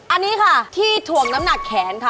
อันนี้ค่ะที่ถ่วงน้ำหนักแขนค่ะ